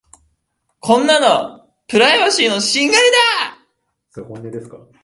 こんなのプライバシーの侵害だ。